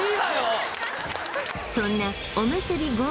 そんなおむすび権